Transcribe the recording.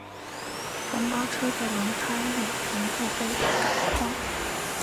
黄包车的车轮也全部被改换。